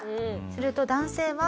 すると男性は。